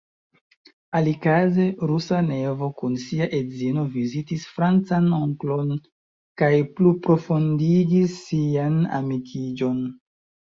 Alikaze rusa nevo kun sia edzino vizitis francan onklon kaj pluprofondigis sian amikiĝon.